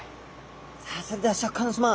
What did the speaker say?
さあそれではシャーク香音さま